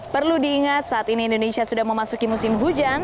perlu diingat saat ini indonesia sudah memasuki musim hujan